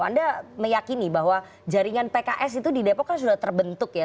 anda meyakini bahwa jaringan pks itu di depok kan sudah terbentuk ya